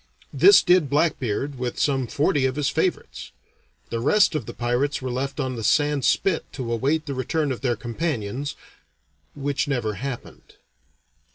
This did Blackbeard with some forty of his favorites. The rest of the pirates were left on the sand spit to await the return of their companions which never happened.